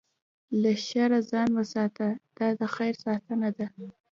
له شره ځان وساته، دا د خیر ساتنه ده.